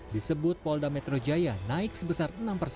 disebut polda metro jaya naik sebesar enam persen